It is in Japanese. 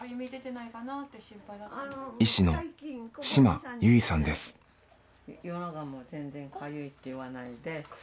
夜中も全然かゆいって言わないで。